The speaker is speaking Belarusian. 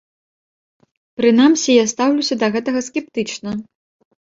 Прынамсі я стаўлюся да гэтага скептычна.